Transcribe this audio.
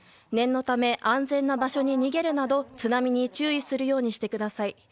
念のため、安全な場所に逃げるなど津波に注意するようにしてください。